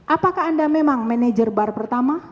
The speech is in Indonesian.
apakah anda memang manajer bar pertama